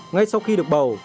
ngay sau khi được bầu